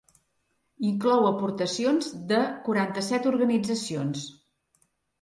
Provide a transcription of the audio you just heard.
Inclou aportacions de quaranta-set organitzacions.